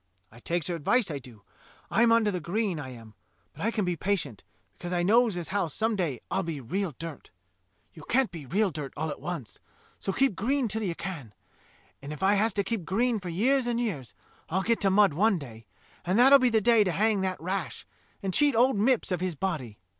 I takes her advice, I do; I'm under the green, I am, but I can be patient, because I knows as how some day I'll be real dirt. You can't be real dirt all at once; so keep green till you can; and if I has to keep green for years and years, I'll get to mud one day, and that'll be the day to hang that Rash and cheat old Mipps of his body."